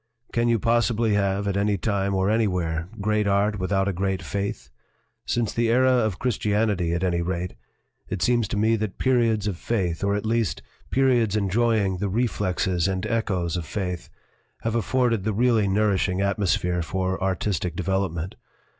"Can you possibly have, at any time or anywhere, great art without a great faith? Since the era of Christianity, at any rate, it seems to me that periods of faith, or at least periods enjoying the reflexes and echoes of faith, have afforded the really nourishing atmosphere for artistic develop ment.